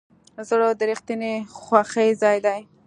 زړه د رښتینې خوښۍ ځای دی.